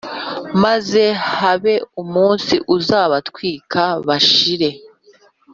maze habe umunsi uzabatwika bashire,